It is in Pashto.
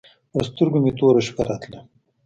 پر سترګو مې توره شپه راتله.